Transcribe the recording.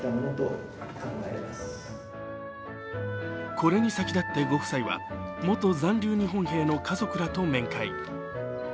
これに先立ってご夫妻は元残留日本兵の家族らと面会。